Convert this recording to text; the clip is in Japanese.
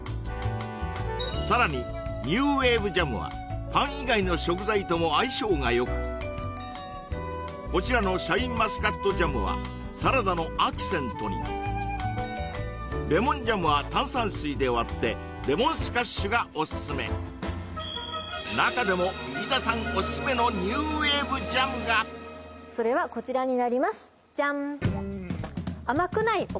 さらにニューウェーブジャムはパン以外の食材とも相性がよくこちらのシャインマスカットジャムはサラダのアクセントにレモンジャムは炭酸水で割ってレモンスカッシュがオススメ中でも飯田さんオススメのニューウェーブジャムがそれはこちらになります